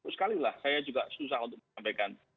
sekali lah saya juga susah untuk menyampaikan